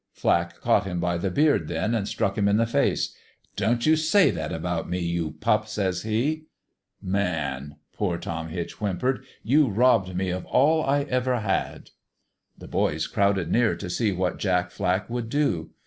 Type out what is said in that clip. "Flack caught him by the beard, then, an' struck him in the face. ' Don't you say that about me, you pup !' says he. "' Man,' poor Tom Hitch whimpered, ' you robbed me of all I ever had !' "The boys crowded near t' see what Jack Flack would do.